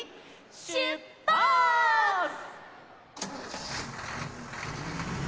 しゅっぱつ！